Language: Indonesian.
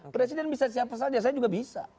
presiden bisa siapa saja saya juga bisa